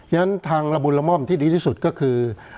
ฉะนั้นทางละมุนละม่อมที่ดีที่สุดก็คือ